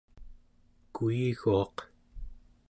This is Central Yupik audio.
kuiguaq